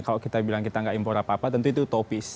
kalau kita bilang kita nggak impor apa apa tentu itu utopis